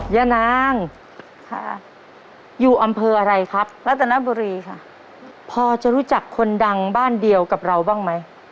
แย่นางอยู่อำเภออะไรครับพ่อจะรู้จักคนดังบ้านเดียวกับเราบ้างไหม